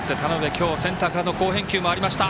今日、センターからの好返球もありました。